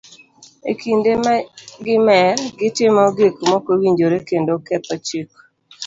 E kinde ma gi mer, gitimo gik mokowinjore kendo ketho chik.